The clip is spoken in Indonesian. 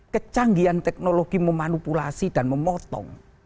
kecanggihan teknologi memanipulasi dan memotong